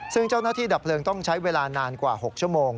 ซึ่งเจ้าหน้าที่ดับเพลิงต้องใช้เวลานานกว่า๖ชั่วโมง